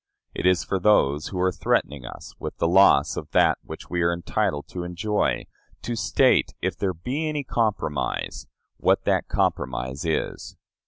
It is for those who are threatening us with the loss of that which we are entitled to enjoy, to state, if there be any compromise, what that compromise is.